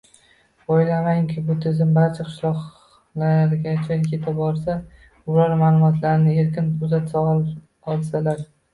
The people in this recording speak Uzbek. Oʻylaymanki, bu tizim barcha qishloqlargacha yetib borsa, ular maʼlumotlarni erkin uzata olsalar